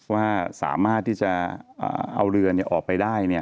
ว่าสามารถที่จะเอาเรือออกไปได้